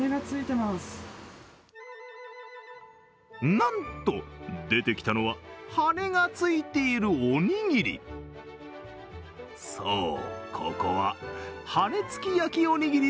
なんと出てきたのは羽根がついているおにぎり。